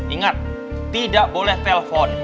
ingat tidak boleh telepon